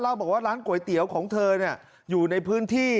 บอกว่าร้านก๋วยเตี๋ยวของเธออยู่ในพื้นที่